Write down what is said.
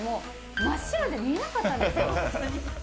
真っ白で見えなかったんですよ。